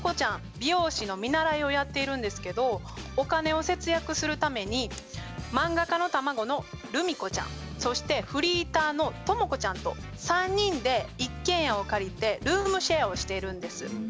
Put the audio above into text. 美容師の見習いをやっているんですけどお金を節約するために漫画家の卵のルミコちゃんそしてフリーターのトモコちゃんと３人で一軒家を借りてルームシェアをしているんです。